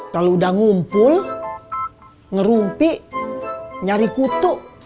kalau udah ngumpul ngerumpik nyari kutu